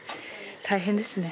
大変ですね。